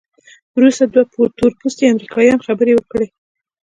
وروسته دوه تورپوستي امریکایان خبرې وکړې.